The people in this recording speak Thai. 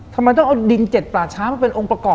ทำไมต้องเอาดินเจ็ดป่าช้ามาเป็นองค์ประกอบ